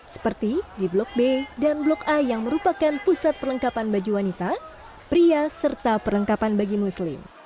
seperti di blok b dan blok a yang merupakan pusat perlengkapan baju wanita pria serta perlengkapan bagi muslim